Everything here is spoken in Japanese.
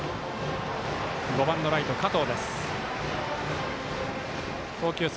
５番のライト、加藤。